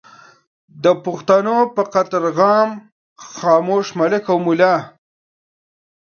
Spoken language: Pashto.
د پښتنو پر قتل عام خاموش ملک او ملا